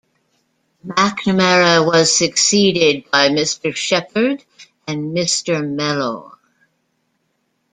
McNamara was succeeded by Mr Shepherd and Mr Mellor.